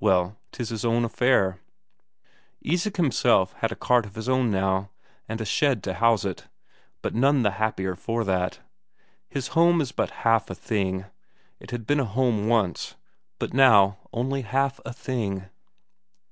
Well, 'tis his own affair. Isak himself had a cart of his own now, and a shed to house it, but none the happier for that. His home is but half a thing; it had been a home once, but now only half a thing.